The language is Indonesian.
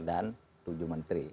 dan tujuh menteri